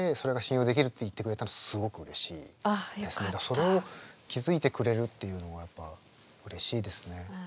それを気付いてくれるっていうのがやっぱうれしいですね。